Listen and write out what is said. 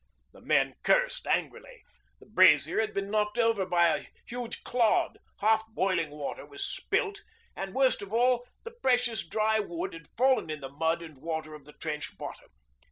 The men cursed angrily. The brazier had been knocked over by a huge clod, half boiling water was spilt, and, worst of all, the precious dry wood had fallen in the mud and water of the trench bottom.